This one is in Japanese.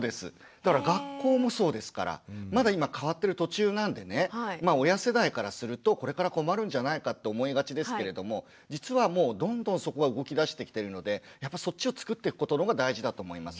だから学校もそうですから。まだ今変わってる途中なんでね親世代からするとこれから困るんじゃないかって思いがちですけれども実はもうどんどんそこが動きだしてきてるのでやっぱそっちをつくってくことのほうが大事だと思います。